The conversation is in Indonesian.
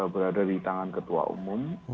berada di tangan ketua umum